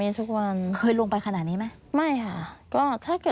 มีทุกวันเคยลงไปขนาดนี้ไหมไม่ค่ะ